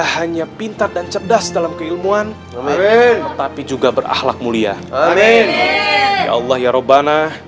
hanya pintar dan cerdas dalam keilmuan tapi juga berakhlak mulia amin ya allah ya robana